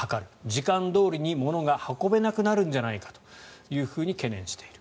時間どおりに物が運べなくなるんじゃないかと懸念している。